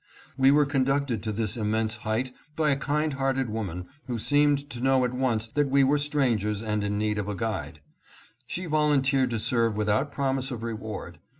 We were conducted to this immense height by a kind hearted woman who seemed to know at once that we were strangers and in need of a guide. She volunteered to serve without promise of reward.